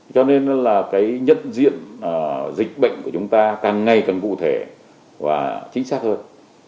cho nên là cái nhận diện dịch bệnh của chúng ta càng ngày càng cụ thể và chính xác hơn